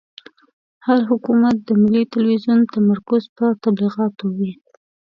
هر حکومت د ملي تلویزون تمرکز پر تبلیغاتو وي.